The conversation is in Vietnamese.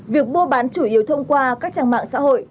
việc mua bán chủ yếu thông qua các trang mạng xã hội